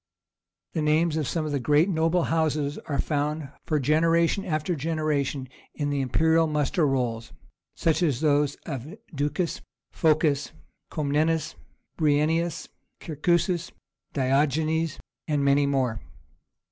The names of some of the great noble houses are found for generation after generation in the imperial muster rolls, such as those of Ducas, Phocas, Comnenus, Bryennius, Kerkuas, Diogenes, and many more.